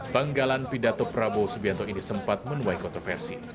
panggalan pidato prabowo subianto ini sempat menuai kontroversi